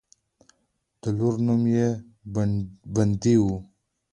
او د لور نوم يې بندۍ وۀ